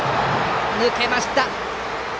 抜けました！